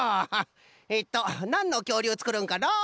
えっとなんのきょうりゅうつくるんかのう？